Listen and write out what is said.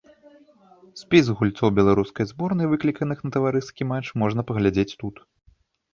Спіс гульцоў беларускай зборнай, выкліканых на таварыскі матч, можна паглядзець тут.